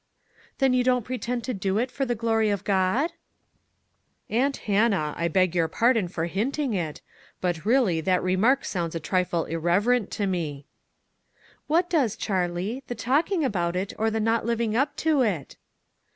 "Then you don't pretend to do it for the glory of God?" MISS WAINWRIGHT S "MUDDLE. 37 "Aunt Hannah, I beg your pardon for hinting it, but really that remark sounds a trifle irreverent to me." " What does, Charlie, the talking about it, or the not living up to it?"